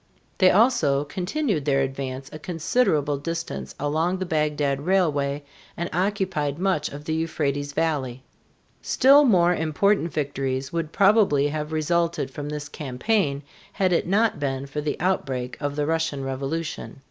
They also continued their advance a considerable distance along the Bagdad Railway and occupied much of the Euphrates valley. Still more important victories would probably have resulted from this campaign had it not been for the outbreak of the Russian revolution.